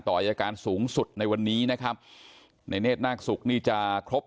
อายการสูงสุดในวันนี้นะครับในเนธนาคศุกร์นี่จะครบ